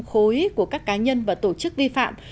khối của các cá nhân và tổ chức vi phạm